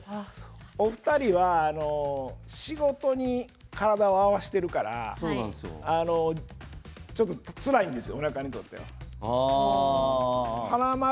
お二人は仕事に体を合わせているからちょっとつらいんですよ